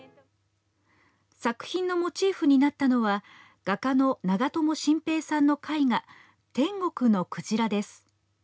作品のモチーフになったのは画家の長友心平さんの絵画「天国のクジラ」です。